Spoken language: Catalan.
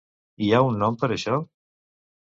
Hi ha un nom per a això?